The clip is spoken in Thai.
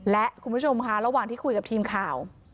และคุณผู้ชมค่ะระหว่างที่คุยกับทีมข่าว